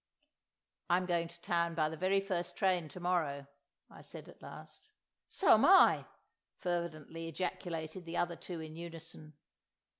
"I'm going to town by the very first train to morrow," I said at last. "So 'm I!" fervently ejaculated the other two in unison.